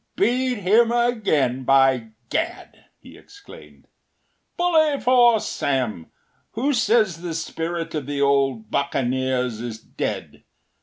“Beat him again, by Gad!” he exclaimed. “Bully for Sam! Who says the spirit of the old buccaneers is dead?